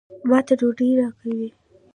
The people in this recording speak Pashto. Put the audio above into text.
ما ته ډوډۍ راکوي.